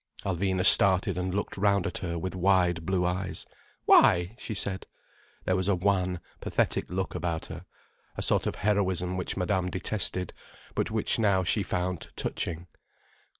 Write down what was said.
Alvina started and looked round at her with wide blue eyes. "Why?" she said. There was a wan, pathetic look about her, a sort of heroism which Madame detested, but which now she found touching.